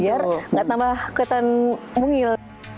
biar nggak tambah kelihatan mungil